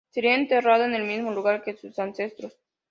Sería enterrado en el mismo lugar que sus ancestros.